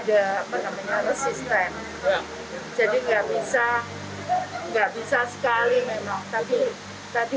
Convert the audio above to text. cuman kan masalahnya mesti ada